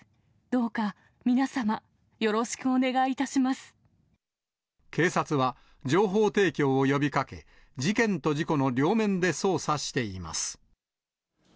どうか皆様、よろしくお願いいた警察は、情報提供を呼びかけ、事件と事故の両面で捜査しています。